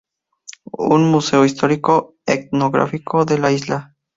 Un museo histórico-etnográfico de la isla.